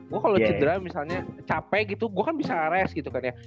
gue kalau cedera misalnya capek gitu gue kan bisa ares gitu kan ya